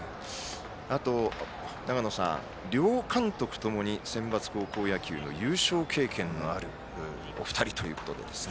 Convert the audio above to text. あと長野さん両監督共に、センバツ高校野球の優勝経験のあるお二人ということで。